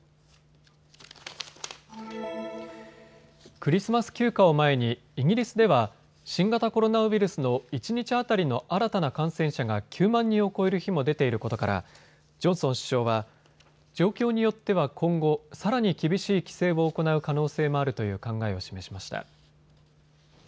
クリスマス休暇を前にイギリスでは新型コロナウイルスの一日当たりの新たな感染者が９万人を超える日も出ていることからジョンソン首相は状況によっては今後、さらに厳しい規制も行う可能性もあるという考えを示しました。